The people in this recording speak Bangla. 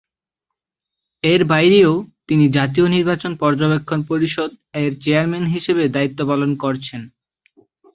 এর বাইরেও তিনি জাতীয় নির্বাচন পর্যবেক্ষণ পরিষদ এর চেয়ারম্যান হিসেবে দায়ীত্ব পালন করছেন।